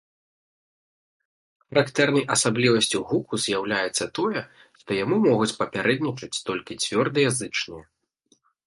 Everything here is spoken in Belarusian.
Характэрнай асаблівасцю гуку з'яўляецца тое, што яму могуць папярэднічаць толькі цвёрдыя зычныя.